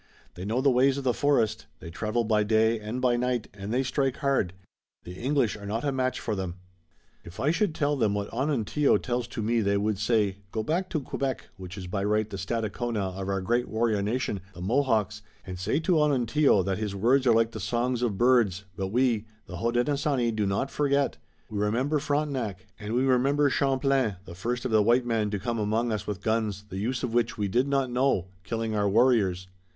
They know the ways of the forest. They travel by day and by night, and they strike hard. The English are not a match for them." "If I should tell them what Onontio tells to me they would say: 'Go back to Quebec, which is by right the Stadacona of our great warrior nation, the Mohawks, and say to Onontio that his words are like the songs of birds, but we, the Hodenosaunee, do not forget. We remember Frontenac, and we remember Champlain, the first of the white men to come among us with guns, the use of which we did not know, killing our warriors.'"